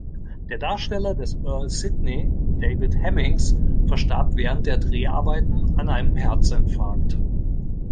Der Darsteller des Earl Sidney, David Hemmings, verstarb während der Dreharbeiten an einem Herzinfarkt.